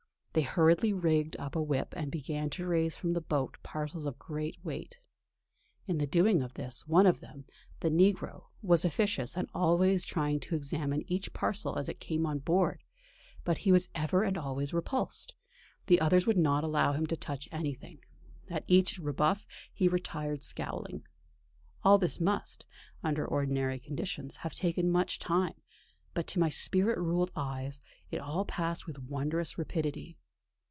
They hurriedly rigged up a whip and began to raise from the boat parcels of great weight. In the doing of this one of them, the negro, was officious and was always trying to examine each parcel as it came on board; but he was ever and always repulsed. The others would not allow him to touch anything; at each rebuff he retired scowling. All this must, under ordinary conditions, have taken much time, but to my spirit ruled eyes it all passed with wondrous rapidity....